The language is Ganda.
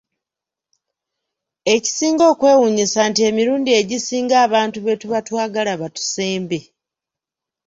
Ekisinga okwewuunyisa nti emirundi egisinga abantu be tuba twagala batusembe.